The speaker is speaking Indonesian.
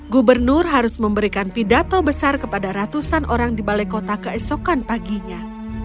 gubernur harus memberikan pidato besar kepada ratusan orang di balai kota keesokan paginya